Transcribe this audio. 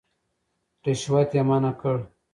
رشوت يې منع کړ.